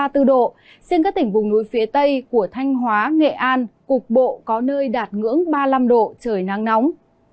riêng các tỉnh vùng núi phía tây của thanh hóa nghệ an cục bộ có nơi đạt ngưỡng ba mươi năm độ trời nắng nóng